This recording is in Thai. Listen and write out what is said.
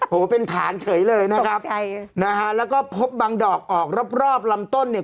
เป็นฐานเฉยเลยนะครับใช่นะฮะแล้วก็พบบางดอกออกรอบรอบลำต้นเนี่ย